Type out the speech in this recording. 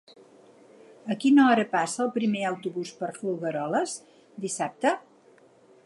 A quina hora passa el primer autobús per Folgueroles dissabte?